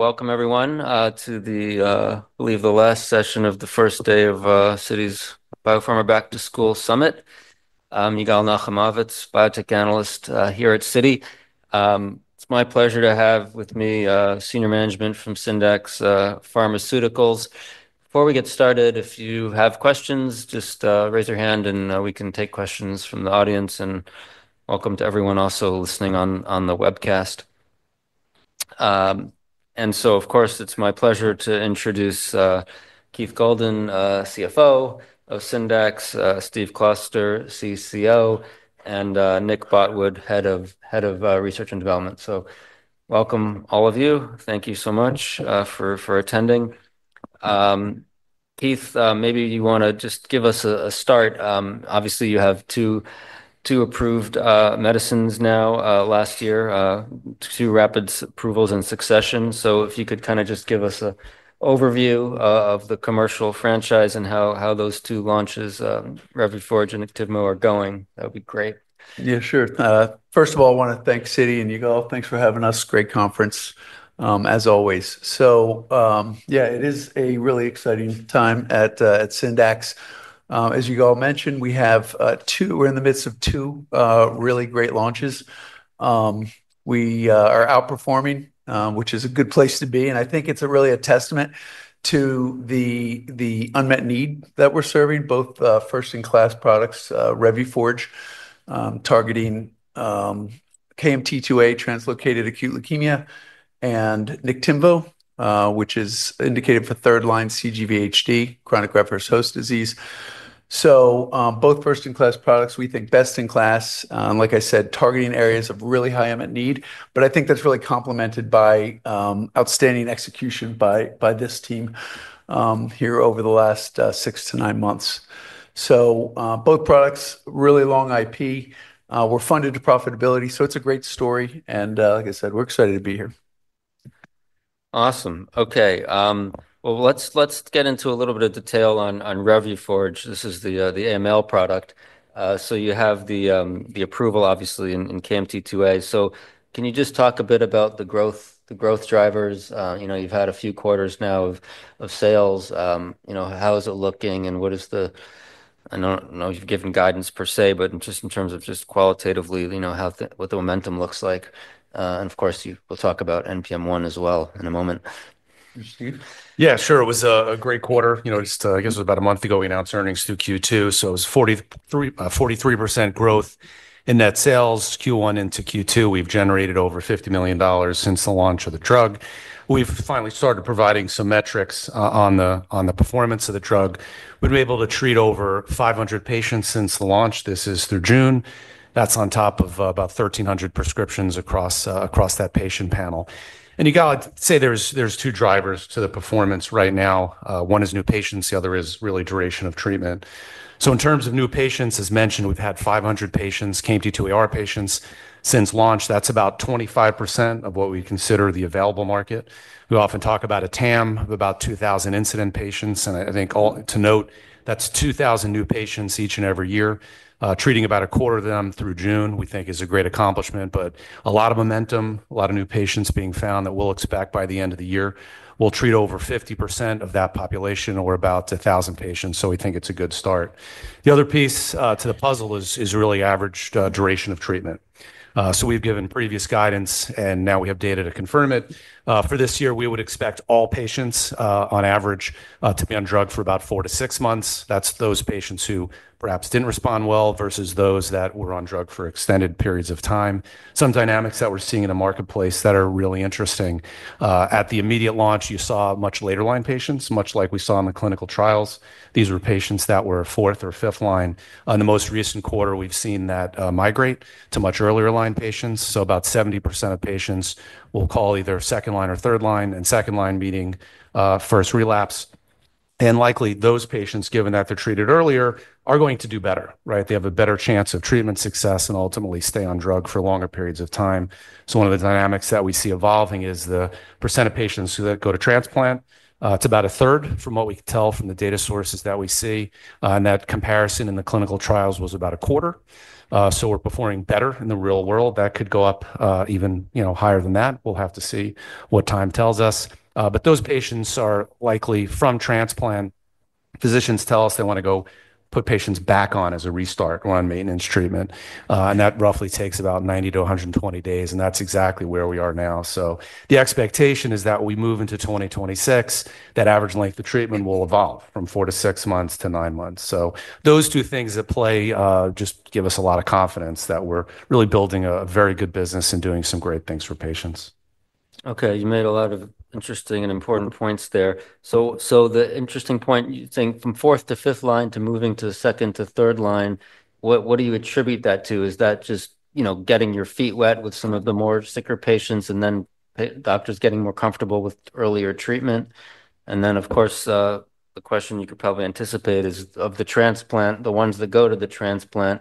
Welcome, everyone, to the, I believe, the last session of the first day of Citi's Biopharma Back to School Summit. I'm Yigal Nochomovitz, biotech analyst here at Citi. It's my pleasure to have with me senior management from Syndax Pharmaceuticals. Before we get started, if you have questions, just raise your hand and we can take questions from the audience. Welcome to everyone also listening on the webcast. It's my pleasure to introduce Keith Goldan, CFO of Syndax, Steve Kloster, CCO, and Nick Botwood, Head of Research and Development. Welcome all of you. Thank you so much for attending. Keith, maybe you want to just give us a start. Obviously, you have two approved medicines now last year, two rapid approvals in succession. If you could kind of just give us an overview of the commercial franchise and how those two launches, Revuforj and Niktimvo, are going, that would be great. Yeah, sure. First of all, I want to thank Citi and Yigal. Thanks for having us. Great conference, as always. It is a really exciting time at Syndax. As Yigal mentioned, we have two, we're in the midst of two really great launches. We are outperforming, which is a good place to be. I think it's really a testament to the unmet need that we're serving, both first-in-class products, Revuforj, targeting KMT2A-translocated acute leukemia, and Niktimvo, which is indicated for third-line cGVHD, chronic graft-versus-host disease. Both first-in-class products, we think best in class. Like I said, targeting areas of really high unmet need. I think that's really complemented by outstanding execution by this team here over the last six to nine months. Both products, really long IP, we're funded to profitability. It's a great story. Like I said, we're excited to be here. Awesome. OK, let's get into a little bit of detail on Revuforj. This is the AML product. You have the approval, obviously, in KMT2A. Can you just talk a bit about the growth drivers? You've had a few quarters now of sales. How is it looking? What is the, I don't know if you've given guidance per se, but just in terms of just qualitatively, you know what the momentum looks like. Of course, we'll talk about NPM1 as well in a moment. Yeah, sure. It was a great quarter. I guess it was about a month ago we announced earnings through Q2. It was 43% growth in net sales. Q1 into Q2, we've generated over $50 million since the launch of the drug. We've finally started providing some metrics on the performance of the drug. We've been able to treat over 500 patients since the launch. This is through June. That's on top of about 1,300 prescriptions across that patient panel. Yigal, I'd say there's two drivers to the performance right now. One is new patients. The other is really duration of treatment. In terms of new patients, as mentioned, we've had 500 patients, KMT2Ar patients since launch. That's about 25% of what we consider the available market. We often talk about a TAM of about 2,000 incident patients. I think to note, that's 2,000 new patients each and every year. Treating about a quarter of them through June, we think is a great accomplishment. A lot of momentum, a lot of new patients being found that we'll expect by the end of the year. We'll treat over 50% of that population. We're about 1,000 patients. We think it's a good start. The other piece to the puzzle is really average duration of treatment. We've given previous guidance. Now we have data to confirm it. For this year, we would expect all patients, on average, to be on drug for about four to six months. That's those patients who perhaps didn't respond well versus those that were on drug for extended periods of time. Some dynamics that we're seeing in the marketplace are really interesting. At the immediate launch, you saw much later line patients, much like we saw in the clinical trials. These were patients that were fourth or fifth line. In the most recent quarter, we've seen that migrate to much earlier line patients. About 70% of patients we'll call either second line or third line. Second line meaning first relapse. Likely, those patients, given that they're treated earlier, are going to do better. They have a better chance of treatment success and ultimately stay on drug for longer periods of time. One of the dynamics that we see evolving is the percent of patients who go to transplant. It's about a third from what we can tell from the data sources that we see. That comparison in the clinical trials was about a quarter. We're performing better in the real world. That could go up even higher than that. We'll have to see what time tells us. Those patients are likely from transplant. Physicians tell us they want to go put patients back on as a restart or on maintenance treatment. That roughly takes about 90 - 120 days. That is exactly where we are now. The expectation is that as we move into 2026, the average length of treatment will evolve from four to six months to nine months. Those two things at play just give us a lot of confidence that we're really building a very good business and doing some great things for patients. OK, you made a lot of interesting and important points there. The interesting point, you're saying from fourth to fifth line to moving to second to third line, what do you attribute that to? Is that just getting your feet wet with some of the more sicker patients and then doctors getting more comfortable with earlier treatment? Of course, the question you could probably anticipate is of the transplant, the ones that go to the transplant,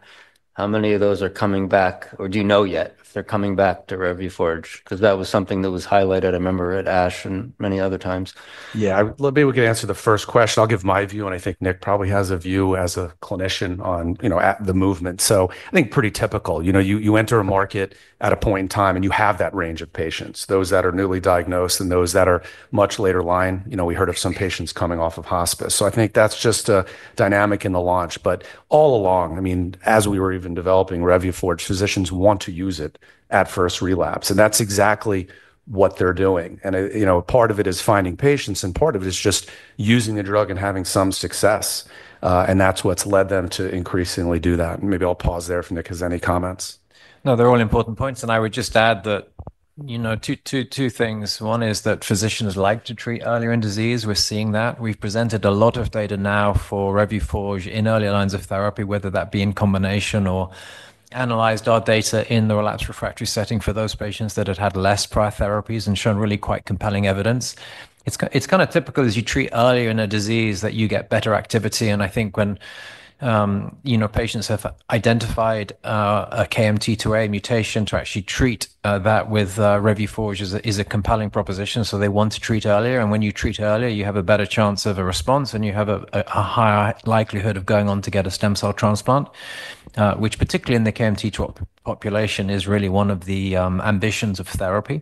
how many of those are coming back? Do you know yet if they're coming back to Revuforj? That was something that was highlighted, I remember, at ASH and many other times. Yeah, maybe we could answer the first question. I'll give my view. I think Nick probably has a view as a clinician on the movement. I think pretty typical. You enter a market at a point in time, and you have that range of patients, those that are newly diagnosed and those that are much later line. We heard of some patients coming off of hospice. I think that's just a dynamic in the launch. All along, I mean, as we were even developing Revuforj, physicians want to use it at first relapse. That's exactly what they're doing. Part of it is finding patients, and part of it is just using the drug and having some success. That's what's led them to increasingly do that. Maybe I'll pause there for Nick. Has any comments? No, they're all important points. I would just add that, you know, two things. One is that physicians like to treat earlier in disease. We're seeing that. We've presented a lot of data now for Revuforj in earlier lines of therapy, whether that be in combination or analyzed our data in the relapsed refractory setting for those patients that had had less prior therapies and shown really quite compelling evidence. It's kind of typical as you treat earlier in a disease that you get better activity. I think when patients have identified a KMT2A mutation, to actually treat that with Revuforj is a compelling proposition. They want to treat earlier, and when you treat earlier, you have a better chance of a response. You have a higher likelihood of going on to get a stem cell transplant, which particularly in the KMT2A population is really one of the ambitions of therapy.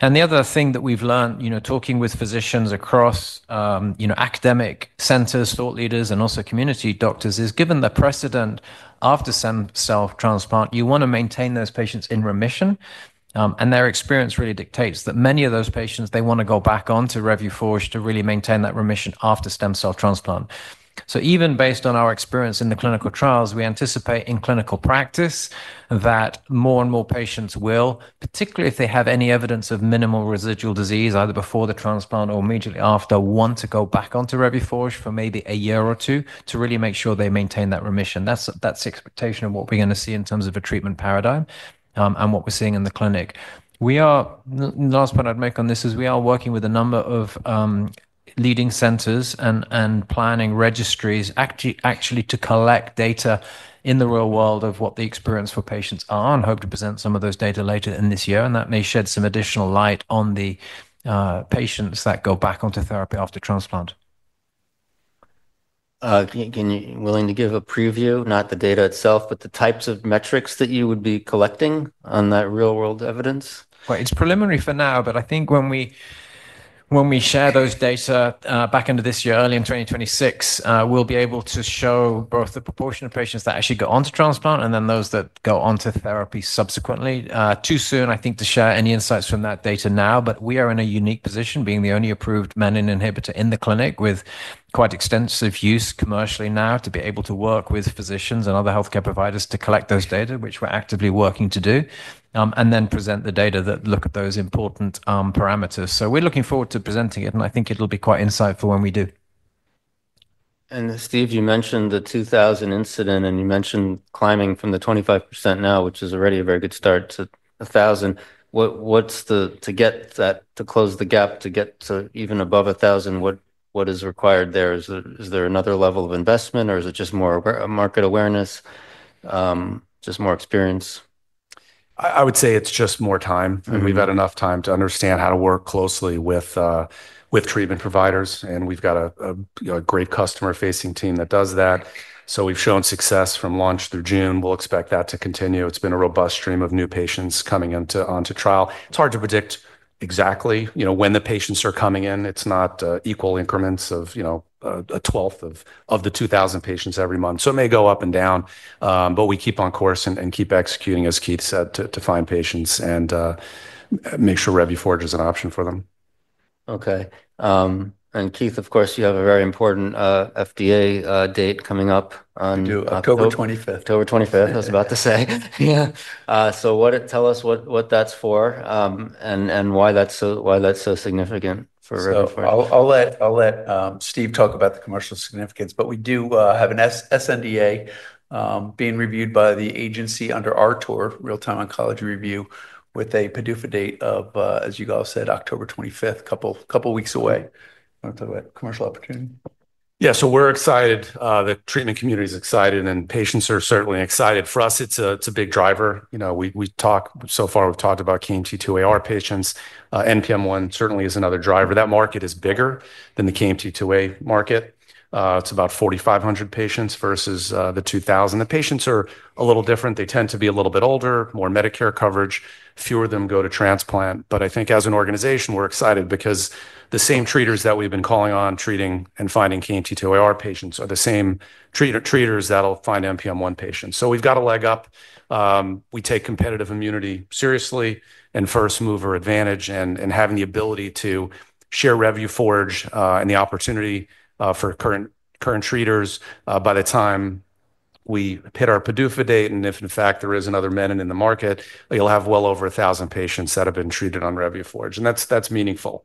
The other thing that we've learned, you know, talking with physicians across academic centers, thought leaders, and also community doctors, is given the precedent after stem cell transplant, you want to maintain those patients in remission. Their experience really dictates that many of those patients, they want to go back on to Revuforj to really maintain that remission after stem cell transplant. Even based on our experience in the clinical trials, we anticipate in clinical practice that more and more patients will, particularly if they have any evidence of minimal residual disease, either before the transplant or immediately after, want to go back on to Revuforj for maybe a year or two to really make sure they maintain that remission. That's the expectation of what we're going to see in terms of a treatment paradigm and what we're seeing in the clinic. The last point I'd make on this is we are working with a number of leading centers and planning registries actually to collect data in the real world of what the experience for patients are and hope to present some of those data later in this year. That may shed some additional light on the patients that go back onto therapy after transplant. Willing to give a preview, not the data itself, but the types of metrics that you would be collecting on that real-world evidence? It's preliminary for now. I think when we share those data back into this year, early in 2026, we'll be able to show both the proportion of patients that actually go on to transplant and then those that go on to therapy subsequently. It's too soon, I think, to share any insights from that data now. We are in a unique position, being the only approved menin inhibitor in the clinic with quite extensive use commercially now, to be able to work with physicians and other health care providers to collect those data, which we're actively working to do, and then present the data that look at those important parameters. We're looking forward to presenting it. I think it'll be quite insightful when we do. Steve, you mentioned the 2,000 incident. You mentioned climbing from the 25% now, which is already a very good start, to 1,000. To get that, to close the gap, to get to even above 1,000, what is required there? Is there another level of investment, or is it just more market awareness, just more experience? I would say it's just more time. We've had enough time to understand how to work closely with treatment providers, and we've got a great customer-facing team that does that. We've shown success from launch through June, and we'll expect that to continue. It's been a robust stream of new patients coming onto trial. It's hard to predict exactly when the patients are coming in. It's not equal increments of 1/12 of the 2,000 patients every month, so it may go up and down. We keep on course and keep executing, as Keith said, to find patients and make sure Revuforj is an option for them. Keith, of course, you have a very important FDA date coming up. October 25th. October 25th, I was about to say. Yeah, tell us what that's for and why that's so significant for Revuforj. I'll let Steve talk about the commercial significance. We do have an sNDA being reviewed by the agency under RTOR, Real-Time Oncology Review, with a PDUFA date of, as Yigal said, October 25th, a couple of weeks away. Commercial opportunity. Yeah, so we're excited. The treatment community is excited. Patients are certainly excited. For us, it's a big driver. We talk so far, we've talked about KMT2Ar patients. NPM1-mutated certainly is another driver. That market is bigger than the KMT2A market. It's about 4,500 patients versus the 2,000. The patients are a little different. They tend to be a little bit older, more Medicare coverage. Fewer of them go to transplant. I think as an organization, we're excited because the same treaters that we've been calling on, treating, and finding KMT2Ar patients are the same treaters that will find NPM1 patients. We've got a leg up. We take competitive immunity seriously and first mover advantage. Having the ability to share Revuforj and the opportunity for current treaters, by the time we hit our PDUFA date, and if in fact there is another menin in the market, you'll have well over 1,000 patients that have been treated on Revuforj. That's meaningful.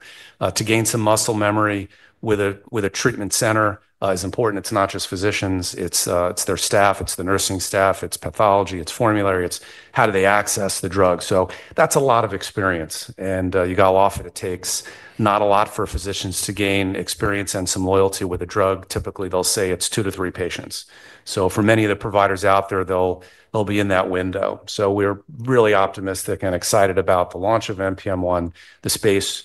To gain some muscle memory with a treatment center is important. It's not just physicians. It's their staff. It's the nursing staff. It's pathology. It's formulary. It's how do they access the drug. That's a lot of experience. Yigal offered it takes not a lot for physicians to gain experience and some loyalty with a drug. Typically, they'll say it's two to three patients. For many of the providers out there, they'll be in that window. We're really optimistic and excited about the launch of NPM1. The space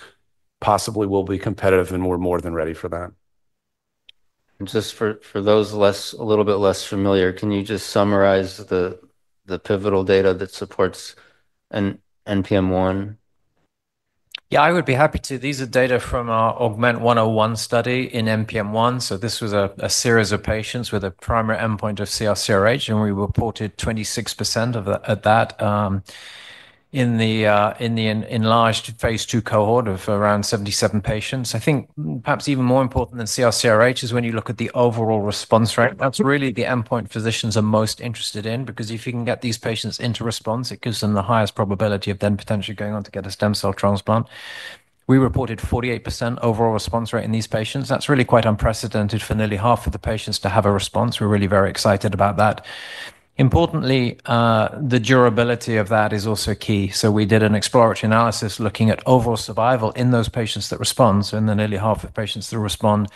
possibly will be competitive. We're more than ready for that. For those a little bit less familiar, can you just summarize the pivotal data that supports NPM1? Yeah, I would be happy to. These are data from our AUGMENT- 101 study in NPM1. This was a series of patients with a primary endpoint of CR/CRh. We reported 26% of that in the enlarged phase II cohort of around 77 patients. I think perhaps even more important than CR/CRh is when you look at the overall response rate. That's really the endpoint physicians are most interested in, because if you can get these patients into response, it gives them the highest probability of then potentially going on to get a stem cell transplant. We reported 48% overall response rate in these patients. That's really quite unprecedented for nearly half of the patients to have a response. We're really very excited about that. Importantly, the durability of that is also key. We did an exploratory analysis looking at overall survival in those patients that respond, in the nearly half of patients that respond,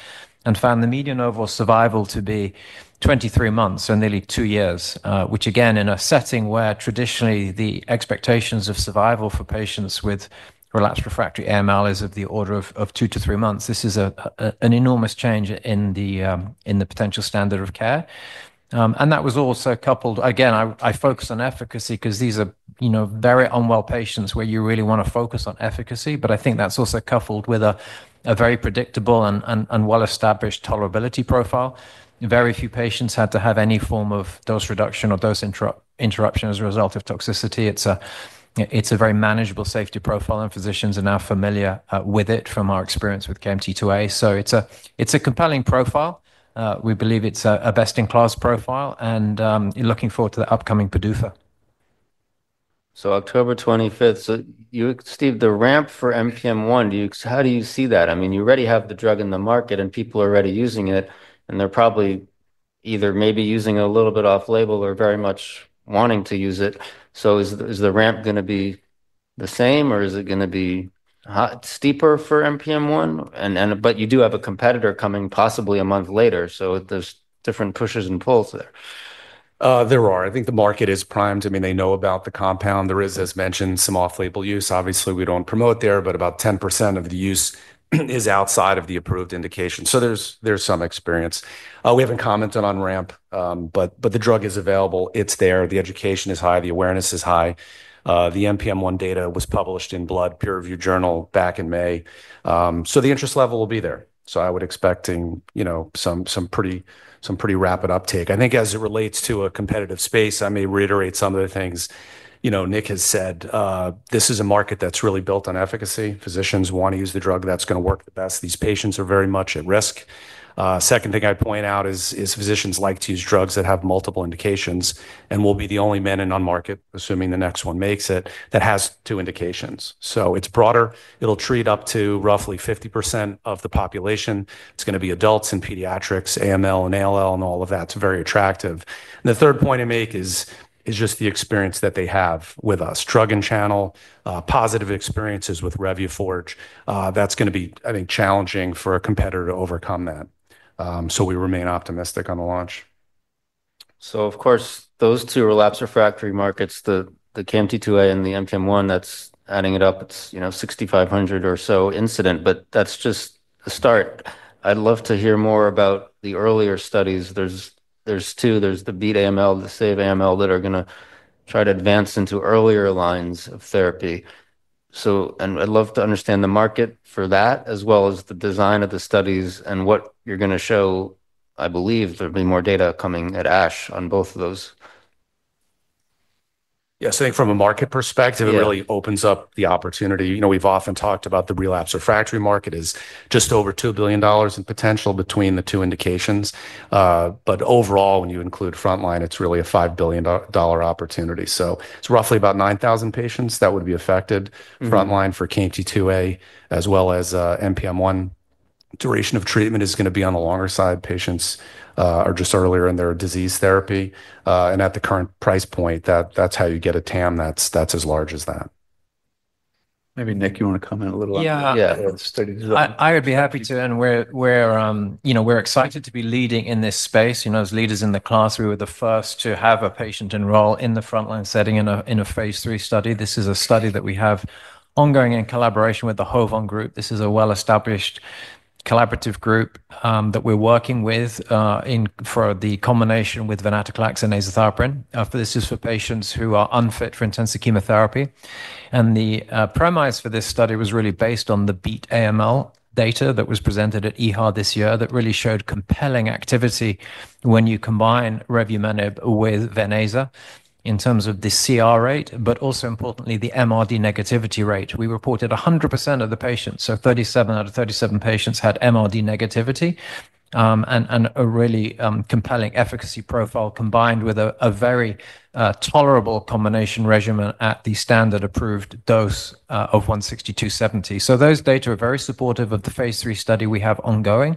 and found the median overall survival to be 23 months, so nearly two years, which again, in a setting where traditionally the expectations of survival for patients with relapsed refractory AML is of the order of two to three months, this is an enormous change in the potential standard of care. That was also coupled, again, I focus on efficacy because these are very unwell patients where you really want to focus on efficacy. I think that's also coupled with a very predictable and well-established tolerability profile. Very few patients had to have any form of dose reduction or dose interruption as a result of toxicity. It's a very manageable safety profile. Physicians are now familiar with it from our experience with KMT2A. It's a compelling profile. We believe it's a best-in-class profile. We're looking forward to the upcoming PDUFA. October 25th. Steve, the ramp for NPM1, how do you see that? You already have the drug in the market, and people are already using it. They're probably either maybe using it a little bit off-label or very much wanting to use it. Is the ramp going to be the same, or is it going to be steeper for NPM1? You do have a competitor coming possibly a month later, so there's different pushes and pulls there. There are. I think the market is primed. I mean, they know about the compound. There is, as mentioned, some off-label use. Obviously, we don't promote there. About 10% of the use is outside of the approved indication. There's some experience. We haven't commented on ramp. The drug is available. It's there. The education is high. The awareness is high. The NPM1 data was published in [Blood Peer Review] Journal back in May. The interest level will be there. I would expect some pretty rapid uptake. I think as it relates to a competitive space, I may reiterate some of the things Nick has said. This is a market that's really built on efficacy. Physicians want to use the drug that's going to work the best. These patients are very much at risk. The second thing I point out is physicians like to use drugs that have multiple indications. We'll be the only menin on market, assuming the next one makes it, that has two indications. It's broader. It'll treat up to roughly 50% of the population. It's going to be adults and pediatrics, AML and ALL, and all of that. It's very attractive. The third point I make is just the experience that they have with us, drug and channel, positive experiences with Revuforj. That's going to be, I think, challenging for a competitor to overcome that. We remain optimistic on the launch. Of course, those two relapsed refractory markets, the KMT2A and the NPM1, that's adding it up, it's 6,500 or so incident. That's just a start. I'd love to hear more about the earlier studies. There are two. There's the BEAT AML, the SAVE AML that are going to try to advance into earlier lines of therapy. I'd love to understand the market for that, as well as the design of the studies and what you're going to show. I believe there'll be more data coming at ASH on both of those. Yeah, I think from a market perspective, it really opens up the opportunity. We've often talked about the relapse refractory market as just over $2 billion in potential between the two indications. Overall, when you include frontline, it's really a $5 billion opportunity. It's roughly about 9,000 patients that would be affected frontline for KMT2A, as well as NPM1. Duration of treatment is going to be on the longer side. Patients are just earlier in their disease therapy. At the current price point, that's how you get a TAM that's as large as that. Maybe Nick, you want to comment a little on the studies? Yeah, I would be happy to. We're excited to be leading in this space. As leaders in the class, we were the first to have a patient enroll in the frontline setting in a phase III study. This is a study that we have ongoing in collaboration with the HOVON Group. This is a well-established collaborative group that we're working with for the combination with venetoclax and azacitidine. This is for patients who are unfit for intensive chemotherapy. The premise for this study was really based on the BEAT AML data that was presented at EHA this year that really showed compelling activity when you combine revumenib with ven/aza in terms of the CR rate, but also importantly, the MRD negativity rate. We reported 100% of the patients, so 37 out of 37 patients had MRD negativity and a really compelling efficacy profile combined with a very tolerable combination regimen at the standard approved dose of [162/70 mmHg]. Those data are very supportive of the phase III study we have ongoing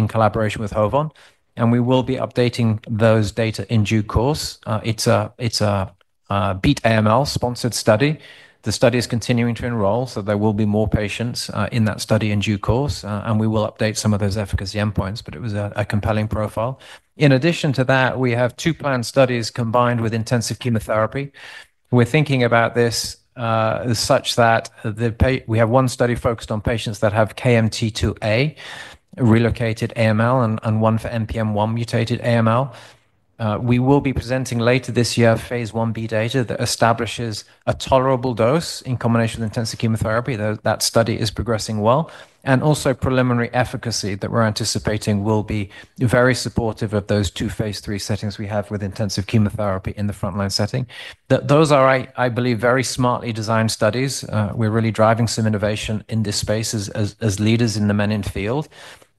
in collaboration with HOVON. We will be updating those data in due course. It's a BEAT AML sponsored study. The study is continuing to enroll, so there will be more patients in that study in due course. We will update some of those efficacy endpoints. It was a compelling profile. In addition to that, we have two planned studies combined with intensive chemotherapy. We're thinking about this such that we have one study focused on patients that have KMT2A-relocated AML and one for NPM1-mutated AML. We will be presenting later this year phase I-B data that establishes a tolerable dose in combination with intensive chemotherapy. That study is progressing well and also preliminary efficacy that we're anticipating will be very supportive of those two phase III settings we have with intensive chemotherapy in the frontline setting. Those are, I believe, very smartly designed studies. We're really driving some innovation in this space as leaders in the menin inhibition field.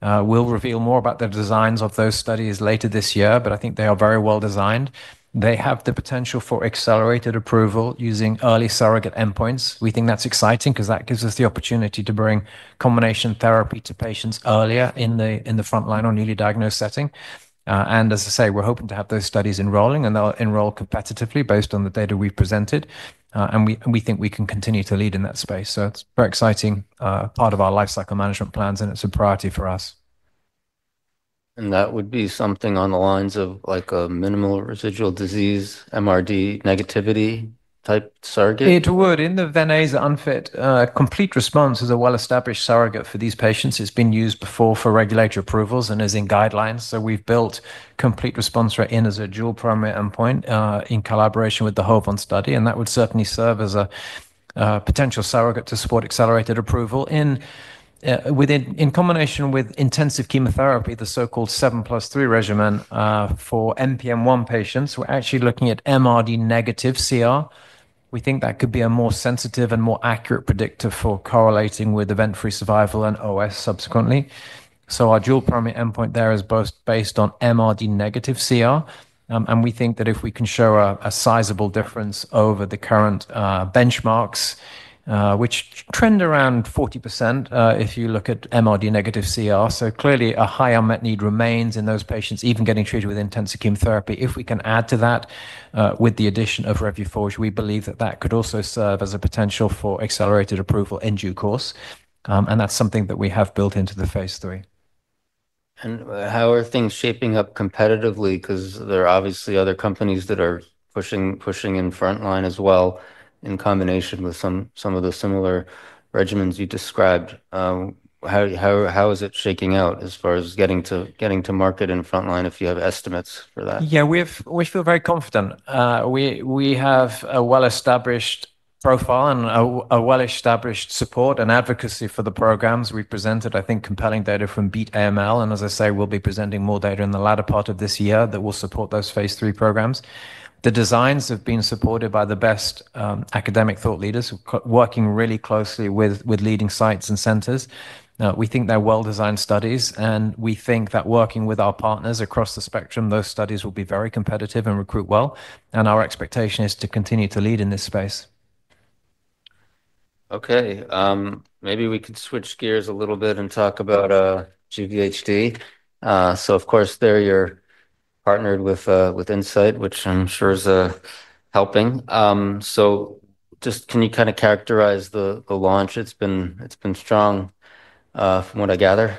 We'll reveal more about the designs of those studies later this year. I think they are very well designed. They have the potential for accelerated approval using early surrogate endpoints. We think that's exciting because that gives us the opportunity to bring combination therapy to patients earlier in the frontline or newly diagnosed setting. We're hoping to have those studies enrolling. They'll enroll competitively based on the data we presented. We think we can continue to lead in that space. It's a very exciting part of our lifecycle management plans. It's a priority for us. Would that be something on the lines of like a minimal residual disease, MRD negativity type surrogate? It would. In the ven/aza unfit, complete response is a well-established surrogate for these patients. It's been used before for regulatory approvals and is in guidelines. We've built complete response rate in as a dual primary endpoint in collaboration with the HOVON study. That would certainly serve as a potential surrogate to support accelerated approval in combination with intensive chemotherapy, the so-called 7 + 3 regimen for NPM1 patients. We're actually looking at MRD negative CR. We think that could be a more sensitive and more accurate predictor for correlating with event-free survival and OS subsequently. Our dual primary endpoint there is both based on MRD negative CR. We think that if we can show a sizable difference over the current benchmarks, which trend around 40% if you look at MRD negative CR, clearly a high unmet need remains in those patients even getting treated with intensive chemotherapy. If we can add to that with the addition of Revuforj, we believe that could also serve as a potential for accelerated approval in due course. That's something that we have built into the phase III. How are things shaping up competitively? There are obviously other companies that are pushing in frontline as well in combination with some of the similar regimens you described. How is it shaking out as far as getting to market in frontline if you have estimates for that? Yeah, we feel very confident. We have a well-established profile and a well-established support and advocacy for the programs we presented. I think compelling data from BEAT AML. As I say, we'll be presenting more data in the latter part of this year that will support those phase III programs. The designs have been supported by the best academic thought leaders working really closely with leading sites and centers. We think they're well-designed studies, and we think that working with our partners across the spectrum, those studies will be very competitive and recruit well. Our expectation is to continue to lead in this space. OK, maybe we could switch gears a little bit and talk about cGVHD. Of course, there you're partnered with Incyte, which I'm sure is helping. Just can you kind of characterize the launch? It's been strong from what I gather.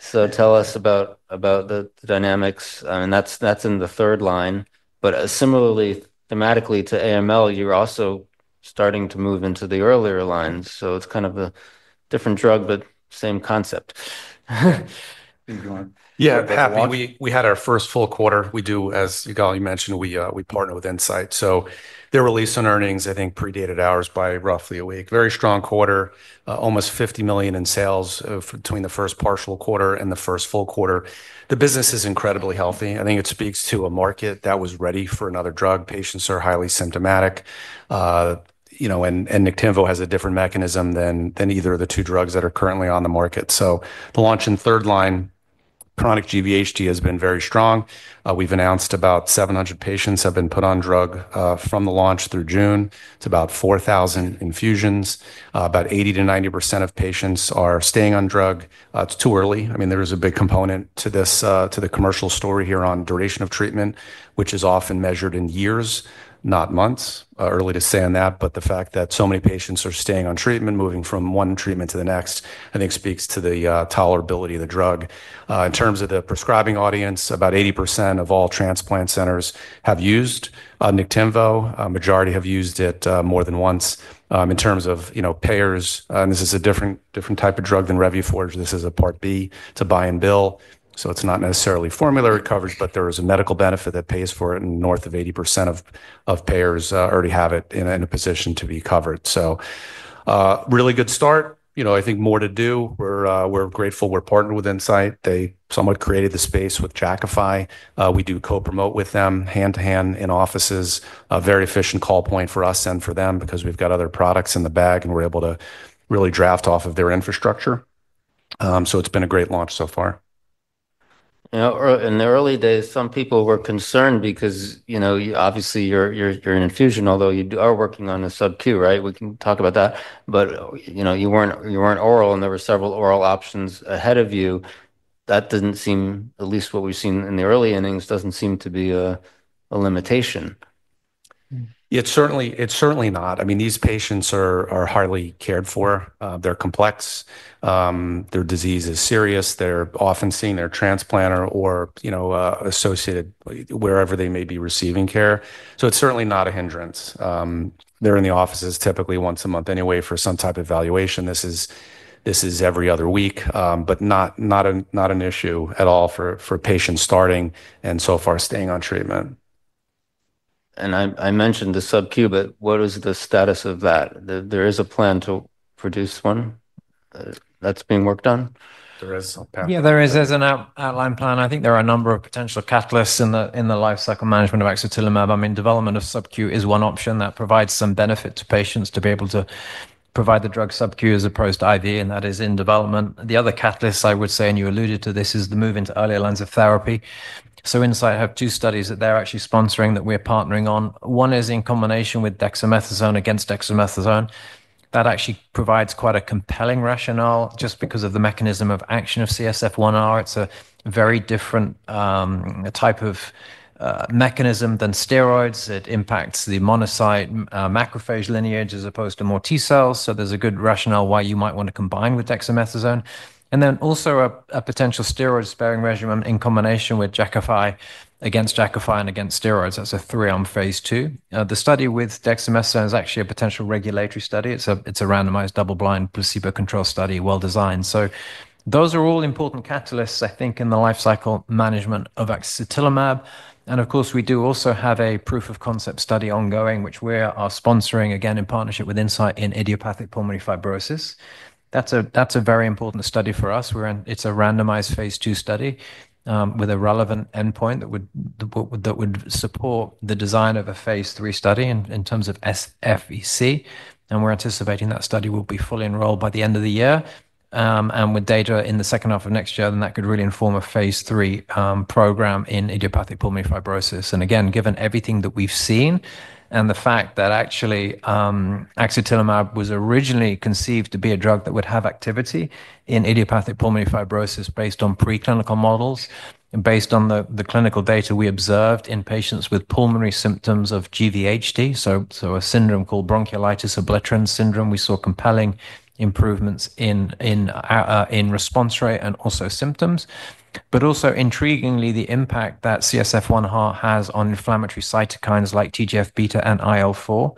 Tell us about the dynamics. I mean, that's in the third line. Similarly, thematically to AML, you're also starting to move into the earlier lines. It's kind of a different drug, but same concept. Yeah, we had our first full quarter. We do, as Yigal mentioned, we partner with Incyte. Their release in earnings, I think, predated ours by roughly a week. Very strong quarter, almost $50 million in sales between the first partial quarter and the first full quarter. The business is incredibly healthy. I think it speaks to a market that was ready for another drug. Patients are highly symptomatic. Niktimvo has a different mechanism than either of the two drugs that are currently on the market. The launch in third line, chronic GVHD has been very strong. We've announced about 700 patients have been put on drug from the launch through June. It's about 4,000 infusions. About 80% - 90% of patients are staying on drug. It's too early. There is a big component to the commercial story here on duration of treatment, which is often measured in years, not months. Early to say on that. The fact that so many patients are staying on treatment, moving from one treatment to the next, I think speaks to the tolerability of the drug. In terms of the prescribing audience, about 80% of all transplant centers have used Niktimvo. A majority have used it more than once. In terms of payers, and this is a different type of drug than Revuforj. This is a Part B to buy and bill. It's not necessarily formulary coverage. There is a medical benefit that pays for it. North of 80% of payers already have it in a position to be covered. Really good start. I think more to do. We're grateful we're partnered with Incyte. They somewhat created the space with Jakafi. We do co-promote with them hand to hand in offices, a very efficient call point for us and for them because we've got other products in the bag. We're able to really draft off of their infrastructure. It's been a great launch so far. In the early days, some people were concerned because obviously, you're an infusion, although you are working on a subcutaneous formulation. We can talk about that. You weren't oral, and there were several oral options ahead of you. That didn't seem, at least what we've seen in the early innings, doesn't seem to be a limitation. It's certainly not. I mean, these patients are highly cared for. They're complex. Their disease is serious. They're often seen at a transplant or associated wherever they may be receiving care. It's certainly not a hindrance. They're in the offices typically once a month anyway for some type of evaluation. This is every other week. Not an issue at all for patients starting and so far staying on treatment. I mentioned the subcu. What is the status of that? There is a plan to produce one that's being worked on? There is. Yeah, there is as an outline plan. I think there are a number of potential catalysts in the lifecycle management of axatilimab. I mean, development of subcutaneous formulation is one option that provides some benefit to patients to be able to provide the drug subcutaneous as opposed to IV. That is in development. The other catalyst, I would say, and you alluded to this, is the move into earlier lines of therapy. Incyte have two studies that they're actually sponsoring that we're partnering on. One is in combination with dexamethasone against dexamethasone. That actually provides quite a compelling rationale just because of the mechanism of action of CSF1R. It's a very different type of mechanism than steroids. It impacts the monocyte macrophage lineage as opposed to more T cells. There's a good rationale why you might want to combine with dexamethasone. Also, a potential steroid-sparing regimen in combination with Jakafi against Jakafi and against steroids. That's a three-arm phase II. The study with dexamethasone is actually a potential regulatory study. It's a randomized double-blind placebo-controlled study, well-designed. Those are all important catalysts, I think, in the lifecycle management of axatilimab. We do also have a proof-of-concept study ongoing, which we are sponsoring again in partnership with Incyte in idiopathic pulmonary fibrosis. That's a very important study for us. It's a randomized phase II study with a relevant endpoint that would support the design of a phase III study in terms of SFVC. We're anticipating that study will be fully enrolled by the end of the year, and with data in the second half of next year, then that could really inform a phase III program in idiopathic pulmonary fibrosis. Given everything that we've seen and the fact that actually axatilimab was originally conceived to be a drug that would have activity in idiopathic pulmonary fibrosis based on preclinical models and based on the clinical data we observed in patients with pulmonary symptoms of cGVHD, a syndrome called bronchiolitis obliterans syndrome, we saw compelling improvements in response rate and also symptoms. Also intriguingly, the impact that CSF1R has on inflammatory cytokines like TGF-beta and IL-4.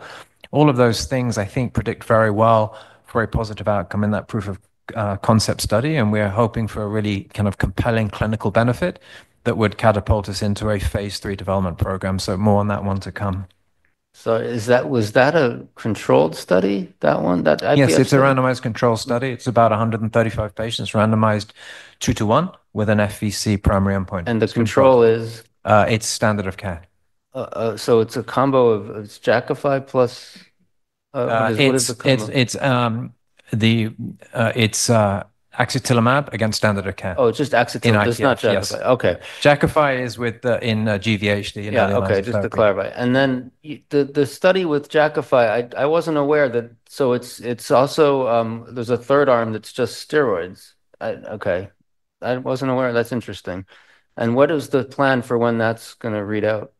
All of those things, I think, predict very well for a positive outcome in that proof-of-concept study. We are hoping for a really kind of compelling clinical benefit that would catapult us into a phase III development program. More on that one to come. Was that a controlled study, that one? Yes, it's a randomized controlled study. It's about 135 patients randomized two to one, with an FVC primary endpoint. What is the control? It's standard of care. It's a combo of Jakafi plus? It's axatilimab against standard of care. Oh, it's just axatilimab. It's not Jakafi. OK. Jakafi is in GVHD. Yeah, OK. Just to clarify. The study with Jakafi, I wasn't aware that there's a third arm that's just steroids. I wasn't aware. That's interesting. What is the plan for when that's going to read out?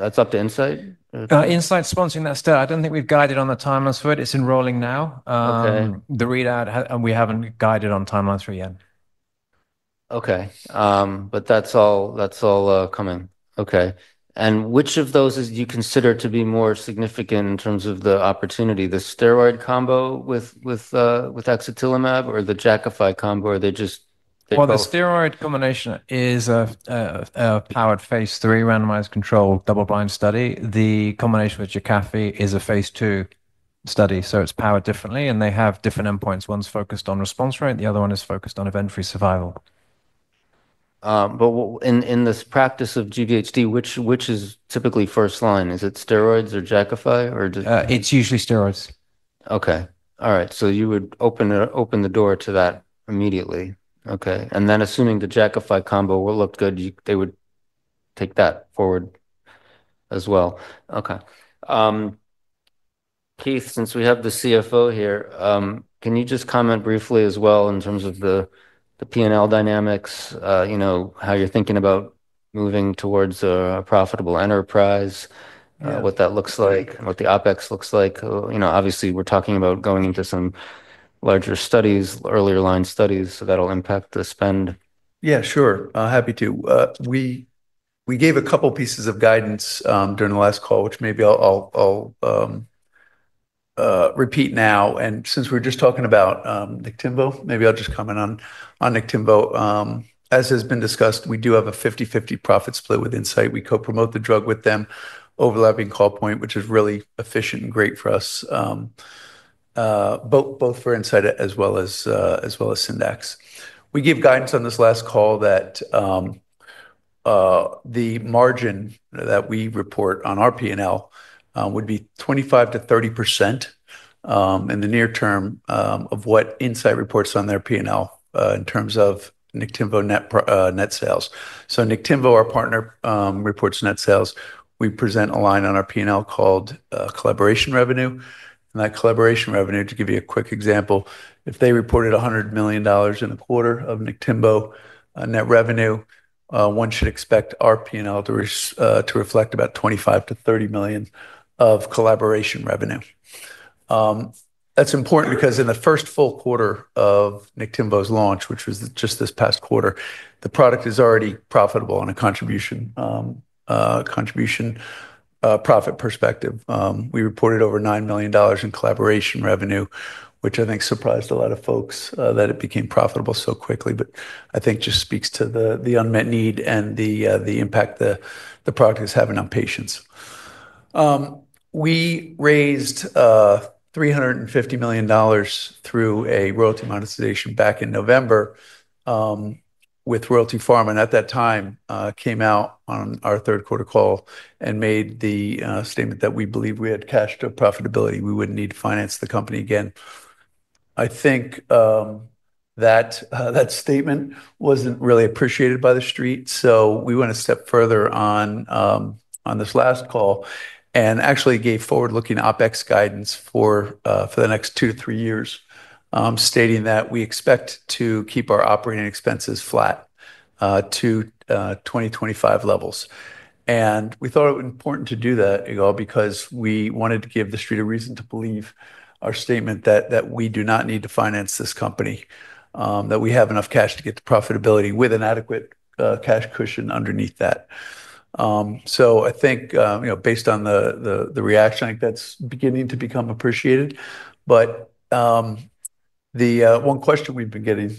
That's up to Incyte? Incyte's sponsoring that study. I don't think we've guided on the timelines for it. It's enrolling now, and the readout, we haven't guided on timelines for it yet. That's all coming. Which of those do you consider to be more significant in terms of the opportunity, the steroid combo with axatilimab or the Jakafi combo? Are they just? The steroid combination is a powered phase III randomized controlled double-blind study. The combination with Jakafi is a phase II study. It's powered differently, and they have different endpoints. One's focused on response rate, the other one is focused on event-free survival. In this practice of GVHD, which is typically first line? Is it steroids or Jakafi? It's usually steroids. OK. All right. You would open the door to that immediately. OK. Assuming the Jackify combo looked good, they would take that forward as well. OK. Keith, since we have the CFO here, can you just comment briefly as well in terms of the P&L dynamics, how you're thinking about moving towards a profitable enterprise, what that looks like, and what the OpEx looks like? Obviously, we're talking about going into some larger studies, earlier line studies. That'll impact the spend. Yeah, sure. Happy to. We gave a couple of pieces of guidance during the last call, which maybe I'll repeat now. Since we're just talking about Niktimvo, maybe I'll just comment on Niktimvo. As has been discussed, we do have a 50/50 profit split with Incyte. We co-promote the drug with them, overlapping call point, which is really efficient and great for us, both for Incyte as well as Syndax. We gave guidance on this last call that the margin that we report on our P&L would be 25% - 30% in the near term of what Incyte reports on their P&L in terms of Niktimvo net sales. Niktimvo, our partner, reports net sales. We present a line on our P&L called collaboration revenue. That collaboration revenue, to give you a quick example, if they reported $100 million in a quarter of Niktimvo net revenue, one should expect our P&L to reflect about $25 million - $30 million of collaboration revenue. That's important because in the first full quarter of Niktimvo's launch, which was just this past quarter, the product is already profitable on a contribution profit perspective. We reported over $9 million in collaboration revenue, which I think surprised a lot of folks that it became profitable so quickly. I think it just speaks to the unmet need and the impact the product is having on patients. We raised $350 million through a royalty monetization back in November with Royalty Pharma. At that time, we came out on our third quarter call and made the statement that we believed we had cash-to-profitability. We wouldn't need to finance the company again. I think that statement wasn't really appreciated by the street. We went a step further on this last call and actually gave forward-looking OpEx guidance for the next two to three years, stating that we expect to keep our operating expenses flat to 2025 levels. We thought it was important to do that, Yigal, because we wanted to give the street a reason to believe our statement that we do not need to finance this company, that we have enough cash to get to profitability with an adequate cash cushion underneath that. I think based on the reaction, that's beginning to become appreciated. The one question we've been getting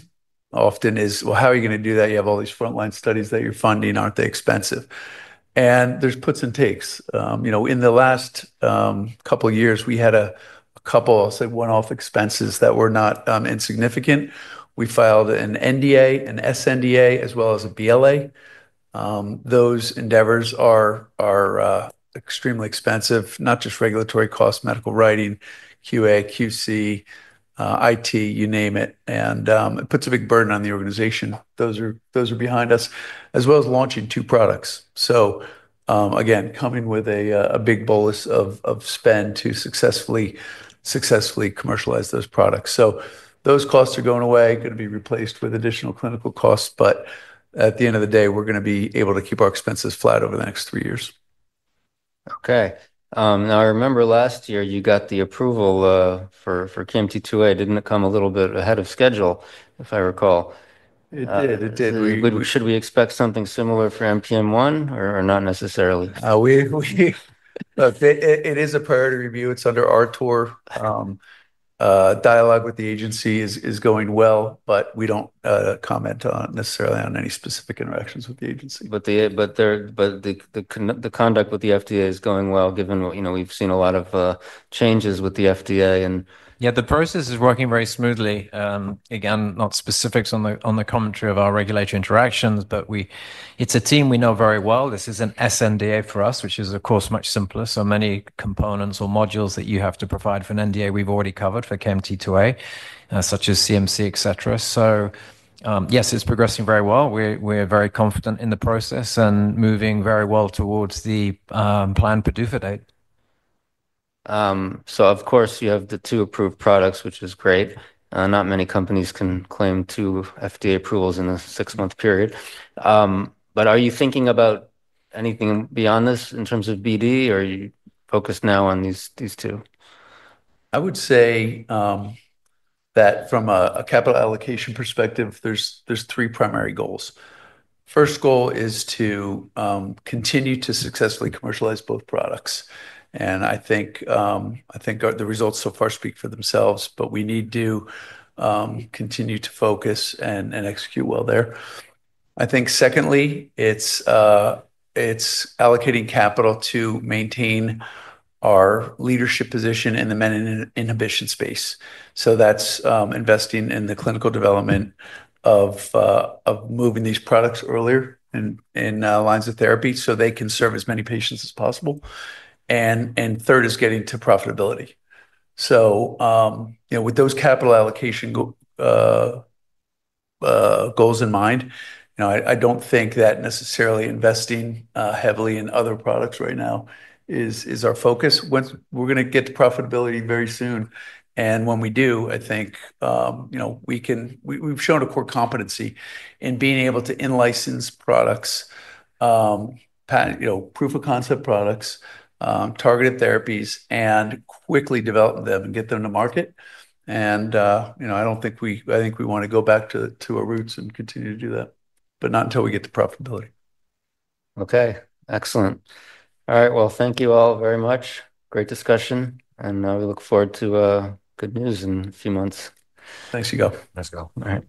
often is, how are you going to do that? You have all these frontline studies that you're funding. Aren't they expensive? There are puts and takes. In the last couple of years, we had a couple, I'll say, one-off expenses that were not insignificant. We filed an NDA, an sNDA, as well as a BLA. Those endeavors are extremely expensive, not just regulatory costs, medical writing, QA, QC, IT, you name it. It puts a big burden on the organization. Those are behind us, as well as launching two products, coming with a big bolus of spend to successfully commercialize those products. Those costs are going away, going to be replaced with additional clinical costs. At the end of the day, we're going to be able to keep our expenses flat over the next three years. OK. Now, I remember last year you got the approval for KMT2A. Didn't it come a little bit ahead of schedule, if I recall? It did. It did. Should we expect something similar for NPM1 or not necessarily? It is a priority review. It's under our tour. Dialogue with the agency is going well. We don't comment necessarily on any specific interactions with the agency. The conduct with the FDA is going well, given we've seen a lot of changes with the FDA. Yeah, the process is working very smoothly. Again, not specifics on the commentary of our regulatory interactions. It is a team we know very well. This is an sNDA for us, which is, of course, much simpler. Many components or modules that you have to provide for an NDA we've already covered for KMT2A, such as CMC, et cetera. Yes, it's progressing very well. We're very confident in the process and moving very well towards the planned PDUFA date. You have the two approved products, which is great. Not many companies can claim two FDA approvals in a six-month period. Are you thinking about anything beyond this in terms of BD, or are you focused now on these two? I would say that from a capital allocation perspective, there's three primary goals. The first goal is to continue to successfully commercialize both products. I think the results so far speak for themselves, but we need to continue to focus and execute well there. I think secondly, it's allocating capital to maintain our leadership position in the menin inhibition space. That's investing in the clinical development of moving these products earlier in lines of therapy so they can serve as many patients as possible. Third is getting to profitability. With those capital allocation goals in mind, I don't think that necessarily investing heavily in other products right now is our focus. We're going to get to profitability very soon. When we do, I think we've shown a core competency in being able to in-license products, proof-of-concept products, targeted therapies, and quickly develop them and get them to market. I don't think we want to go back to our roots and continue to do that, but not until we get to profitability. OK, excellent. All right. Thank you all very much. Great discussion. We look forward to good news in a few months. Thanks, Yigal. Let's go. All right.